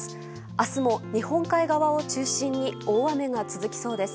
明日も日本海側を中心に大雨が続きそうです。